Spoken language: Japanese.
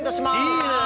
いいね